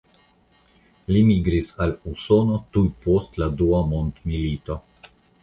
Li migris al Usono tuj post la Dua Mondmilito.